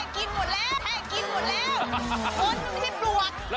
แท่กินหมดแล้วแท่กินหมดแล้ว